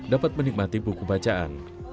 dapat menikmati buku bacaan